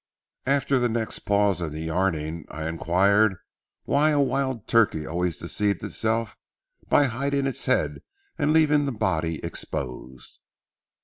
'" At the next pause in the yarning, I inquired why a wild turkey always deceived itself by hiding its head and leaving the body exposed.